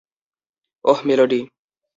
ওহ, melody.